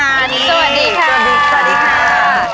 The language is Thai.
สวัสดีค่ะ